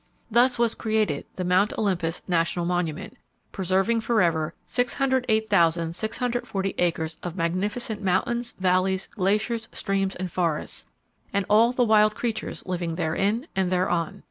Thus was created the Mount Olympus National Monument, preserving forever 608,640 acres of magnificent mountains, valleys, glaciers, streams and forests, and all the wild creatures living therein and thereon.